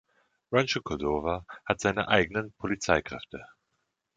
Rancho Cordova hat seine eigenen Polizeikräfte.